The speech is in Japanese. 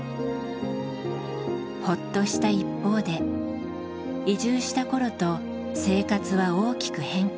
ほっとした一方で移住した頃と生活は大きく変化。